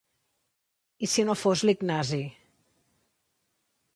I si no fos l'Ignasi?